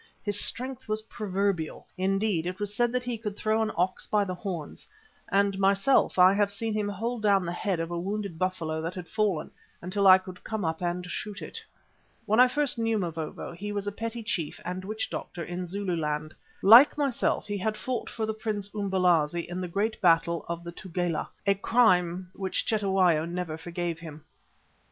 His strength was proverbial; indeed, it was said that he could throw an ox by the horns, and myself I have seen him hold down the head of a wounded buffalo that had fallen, until I could come up and shoot it. When I first knew Mavovo he was a petty chief and witch doctor in Zululand. Like myself, he had fought for the Prince Umbelazi in the great battle of the Tugela, a crime which Cetewayo never forgave him.